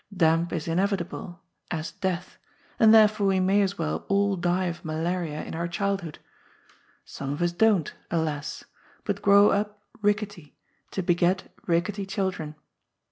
Damp is inevitable, as death, and therefore we may as well all die of malaria in our childhood. Some of us don't, alas !— but grow up rickety, to beget rickety children.